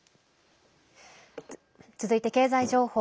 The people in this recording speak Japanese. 続いて経済情報。